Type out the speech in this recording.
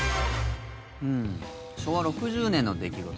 昭和６０年の出来事